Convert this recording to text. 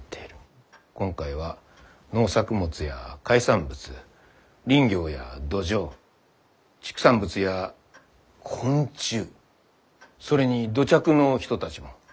今回は農作物や海産物林業や土壌畜産物や昆虫それに土着の人たちも。